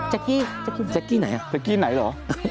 กี้แจ๊กกี้ไหนอ่ะแก๊กกี้ไหนเหรอ